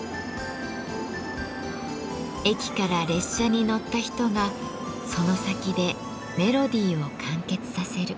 駅から列車に乗った人がその先でメロディーを完結させる。